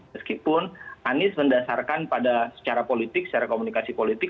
meskipun anies mendasarkan pada secara politik secara komunikasi politik